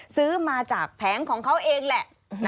ซื้อมาจากแผงของเขาเองแหละ